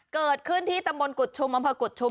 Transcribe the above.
เกิดขึ้นที่ตำบลกุฎชุมอำเภอกุฎชุม